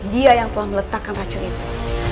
dia yang telah meletakkan racun itu